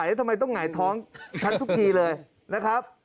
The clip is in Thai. ก็สงสัยทำไมต้องหงายท้องชั้นทุกทีเลยนะครับ